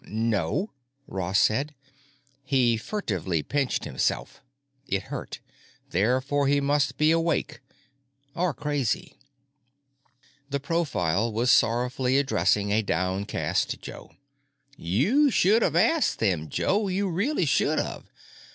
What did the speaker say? "No," Ross said. He furtively pinched himself. It hurt. Therefore he must be awake. Or crazy. The profile was sorrowfully addressing a downcast Joe. "You should of asked them, Joe. You really should of.